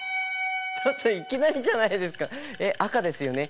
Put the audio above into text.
ちょっといきなりじゃないですかえっ赤ですよね？